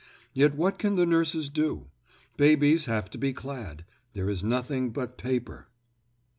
Yet what can the nurses do? Babies have to be clad. There is nothing but paper.